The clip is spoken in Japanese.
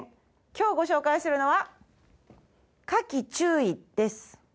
今日ご紹介するのは「蚊気注意」です。